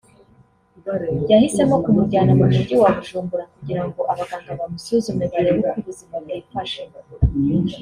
yahisemo kumujyana mu mujyi wa Bujumbura kugira ngo abaganga bamusuzume barebe uko ubuzima bwifashe